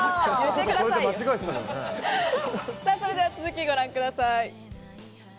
それは続きご覧ください。